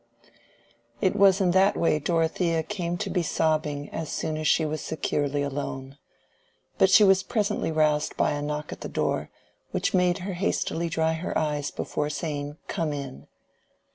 It was in that way Dorothea came to be sobbing as soon as she was securely alone. But she was presently roused by a knock at the door, which made her hastily dry her eyes before saying, "Come in."